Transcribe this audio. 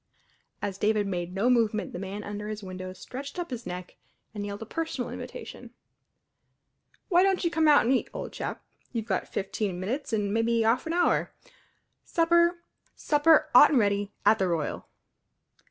As David made no movement the man under his window stretched up his neck and yelled a personal invitation, "W'y don't you come out and eat, old chap? You've got fifteen minutes an' mebby 'arf an 'our; supper supper 'ot an' ready at the Royal!"